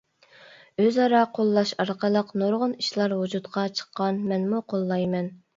ئۆزئارا قوللاش ئارقىلىق نۇرغۇن ئىشلار ۋۇجۇدقا چىققان. مەنمۇ قوللايمەن.